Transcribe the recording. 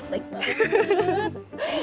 baik pak ustadz